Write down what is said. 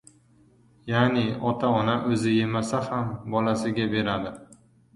Ya'ni ota-ona o‘zi yemasa ham bolasiga beradi.